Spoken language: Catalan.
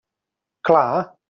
Clar!